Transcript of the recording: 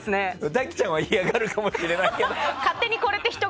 滝ちゃんは嫌がるかもしれないけど。